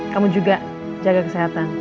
kamu juga jaga kesehatan